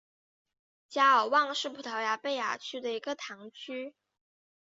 加尔旺是葡萄牙贝雅区的一个堂区。